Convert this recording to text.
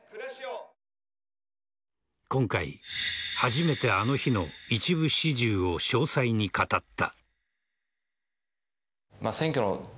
今回、初めてあの日の一部始終を詳細に語った。